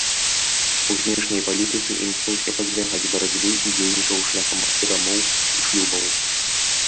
У знешняй палітыцы імкнуўся пазбягаць барацьбы і дзейнічаў шляхам перамоў і шлюбаў.